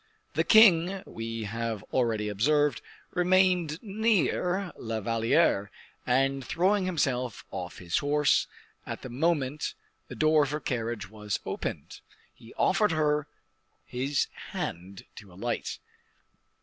The king, we have already observed, remained near La Valliere, and, throwing himself off his horse at the moment the door of her carriage was opened, he offered her his hand to alight.